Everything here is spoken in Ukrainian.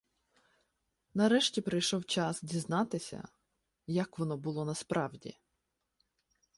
Нарешті прийшов час дізнатися, «як воно було насправді».